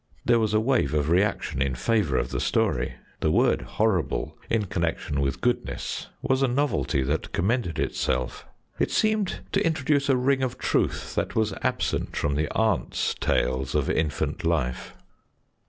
There was a wave of reaction in favour of the story; the word horrible in connection with goodness was a novelty that commended itself. It seemed to introduce a ring of truth that was absent from the aunt's tales of infant life.